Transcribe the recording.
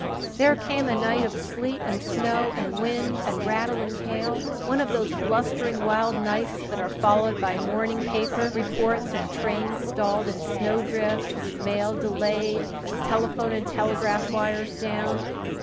There came a night of sleet and snow, and wind and rattling hail one of those blustering, wild nights that are followed by morning paper reports of trains stalled in drifts, mail delayed, telephone and telegraph wires down.